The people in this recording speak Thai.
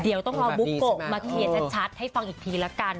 เดี๋ยวต้องรอบุ๊กโกะมาเคลียร์ชัดให้ฟังอีกทีละกัน